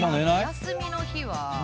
お休みの日は。